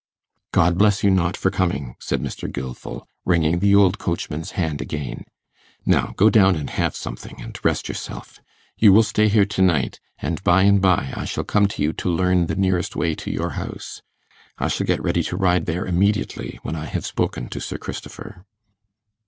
'God bless you, Knott, for coming!' said Mr. Gilfil, wringing the old coachman's hand again. 'Now go down and have something and rest yourself. You will stay here to night, and by and by I shall come to you to learn the nearest way to your house. I shall get ready to ride there immediately, when I have spoken to Sir Christopher.